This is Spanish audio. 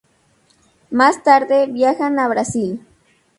Más tarde, viajan a Brasil.